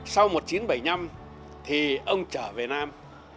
sau một nghìn chín trăm bảy mươi năm thì ông trở về nam